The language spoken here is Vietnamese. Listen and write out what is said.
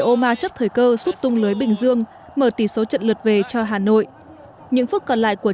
ô ma chấp thời cơ suốt tung lưới bình dương mở tỷ số trận lượt về cho hà nội những phút còn lại của